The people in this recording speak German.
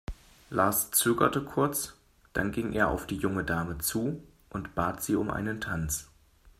Lars zögerte kurz, dann ging er auf die junge Dame zu und bat sie um einen Tanz.